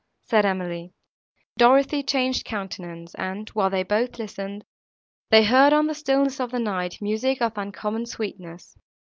said Emily. Dorothée changed countenance, and, while they both listened, they heard, on the stillness of the night, music of uncommon sweetness.